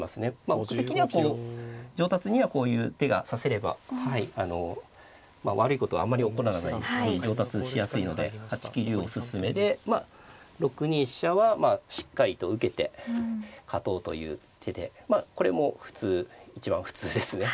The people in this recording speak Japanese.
僕的にはこう上達にはこういう手が指せれば悪いことはあんまり起こらない上達しやすいので８九竜おすすめでまあ６二飛車はしっかりと受けて勝とうという手でこれも普通一番普通ですね。